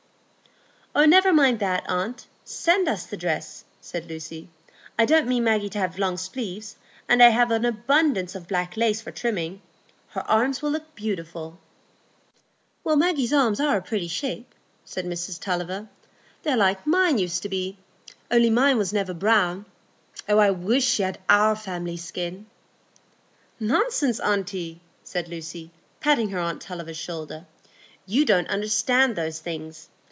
"Oh, never mind that, aunt; send us the dress," said Lucy. "I don't mean Maggie to have long sleeves, and I have abundance of black lace for trimming. Her arms will look beautiful." "Maggie's arms are a pretty shape," said Mrs Tulliver. "They're like mine used to be, only mine was never brown; I wish she'd had our family skin." "Nonsense, aunty!" said Lucy, patting her aunt Tulliver's shoulder, "you don't understand those things.